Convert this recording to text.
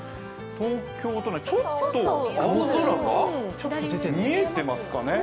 東京、ちょっと青空が見えていますかね。